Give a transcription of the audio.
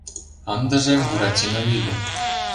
Ындыже Буратино лӱдӧ.